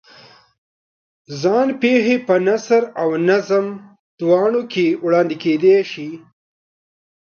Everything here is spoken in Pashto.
ځان پېښې په نثر او نظم دواړو کې وړاندې کېدای شي.